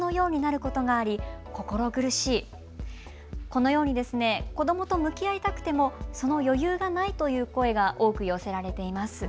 このように子どもと向き合いたくても、その余裕がないという声が多く寄せられています。